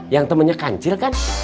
yang temennya kancil kan